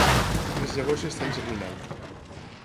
Les llavors ja estan germinant